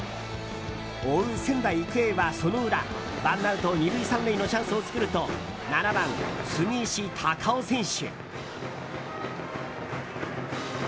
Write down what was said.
追う仙台育英はその裏ワンアウト２塁３塁のチャンスを作ると７番、住石孝雄選手。